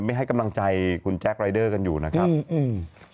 ให้กำลังใจคุณแจ๊ครายเดอร์กันอยู่นะครับอืม